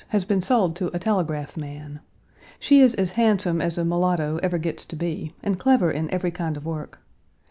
's, has been sold to a telegraph man. She is as handsome as a mulatto ever gets to be, and clever in every kind of work.